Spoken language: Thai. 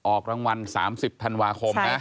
ออกรางวัล๓๐ธันวาคมนะ